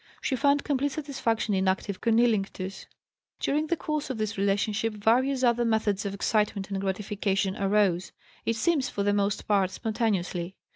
She found complete satisfaction in active cunnilinctus. During the course of this relationship various other methods of excitement and gratification arose it seems, for the most part, spontaneously.